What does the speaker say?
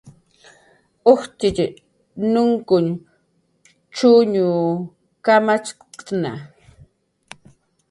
Ujtxitx nunkuñn chuñ kamacht'atna